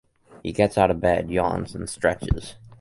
He gets out of bed, yawns, and stretches.